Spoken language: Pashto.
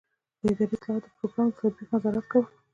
د اداري اصلاحاتو د پروګرام له تطبیق نظارت کول.